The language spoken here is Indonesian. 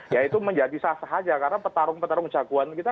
ya itu menjadi sah saja karena petarung petarung jagoan kita nggak datang